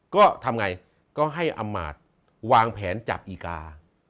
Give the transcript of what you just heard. ก็ทำไงก็ให้อำมาตย์วางแผนจับอีกา